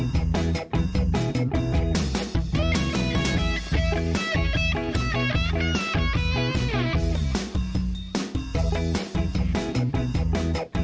สวัสดีค่ะ